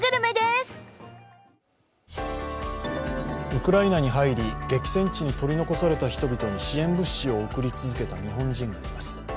ウクライナに入り激戦地に取り残された人たちに支援物資を送り続ける日本人がいます。